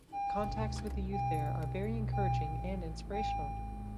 Contacts with the youth there are very encouraging and inspirational.